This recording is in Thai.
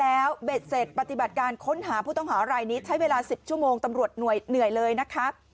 แล้วเบ็ดเสร็จปฏิบัติการค้นหาผู้ต้องหารายนี้ใช้เวลา๑๐ชั่วโมงตำรวจเหนื่อยเลยนะคะ